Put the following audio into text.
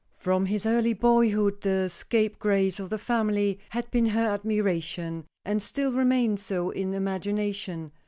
From his early boyhood the scapegrace of the family had been her admiration, and still remained so, in imagination.